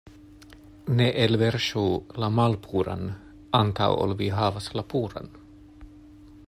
Ne elverŝu la malpuran, antaŭ ol vi havas la puran.